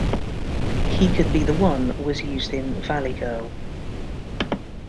"He Could Be the One" was used in "Valley Girl".